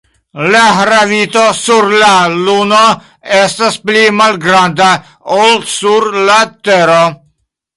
La gravito sur la Luno estas pli malgranda ol sur la Tero.